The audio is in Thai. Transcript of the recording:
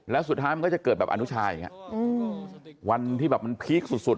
แล้วสุดท้ายมันก็จะเกิดแบบอนุชาอย่างนี้วันที่แบบมันพีคสุดสุด